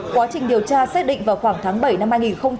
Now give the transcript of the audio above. quá trình điều tra xét định vào khoảng tháng bảy năm hai nghìn hai mươi hai